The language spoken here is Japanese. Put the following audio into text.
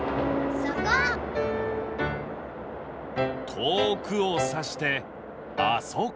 とおくをさしてあそこ！